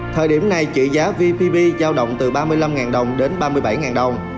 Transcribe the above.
thời điểm này trị giá vb bank giao động từ ba mươi năm đồng đến ba mươi bảy đồng